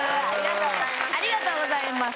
ありがとうございます。